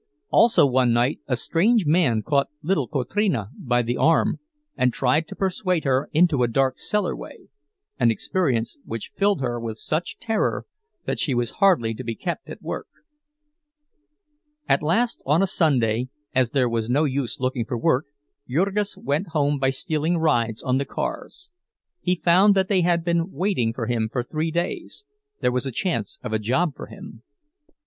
Also one night a strange man caught little Kotrina by the arm and tried to persuade her into a dark cellar way, an experience which filled her with such terror that she was hardly to be kept at work. At last, on a Sunday, as there was no use looking for work, Jurgis went home by stealing rides on the cars. He found that they had been waiting for him for three days—there was a chance of a job for him.